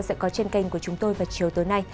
sẽ có trên kênh của chúng tôi vào chiều tối nay